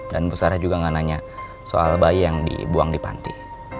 dan bu sarah juga gak nanya soal bayi yang dibuang di panti